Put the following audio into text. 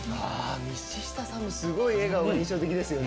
道下さんもすごい笑顔が印象的ですよね。